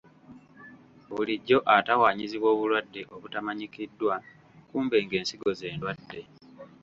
Bulijjo atawaanyizibwa obulwadde obutamanyikiddwa kumbe ng'ensigo ze ndwadde.